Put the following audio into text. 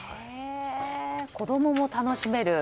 子供も楽しめる。